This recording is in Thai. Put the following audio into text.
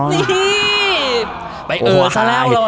นี่ไปเอ๋อซะแล้ว